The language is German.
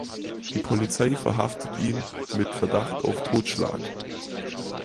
Die Polizei verhaftet ihn mit Verdacht auf Totschlag.